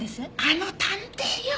あの探偵よ。